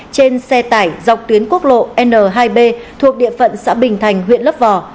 trên xe tải dọc tuyến quốc lộ n hai b thuộc địa phận xã bình thành huyện lấp vò